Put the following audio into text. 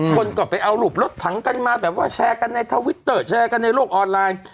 คนก็ไปเอารูปรถถังกันมาแบบว่าแชร์กันในทวิตเตอร์แชร์กันในโลกออนไลน์